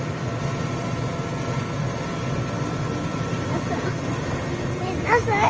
マサごめんなさい。